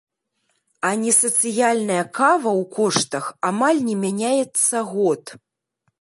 А несацыяльная кава ў коштах амаль не мяняецца год.